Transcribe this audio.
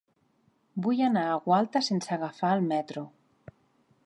Vull anar a Gualta sense agafar el metro.